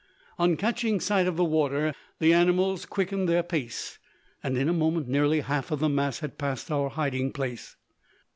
On catching sight of the water, the animals quickened their pace, and in a moment nearly half of the mass had passed our hiding place.